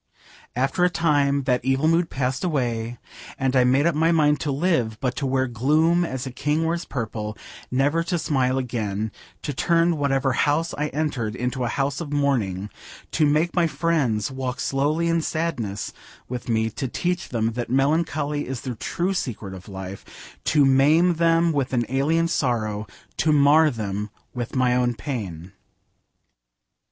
After a time that evil mood passed away, and I made up my mind to live, but to wear gloom as a king wears purple: never to smile again: to turn whatever house I entered into a house of mourning: to make my friends walk slowly in sadness with me: to teach them that melancholy is the true secret of life: to maim them with an alien sorrow: to mar them with my own pain.